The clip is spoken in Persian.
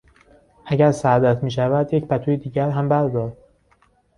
اگر سردت میشود یک پتوی دیگر هم بردار.